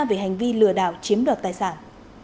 về hành vi lừa đảo chiếm đoạt tài sản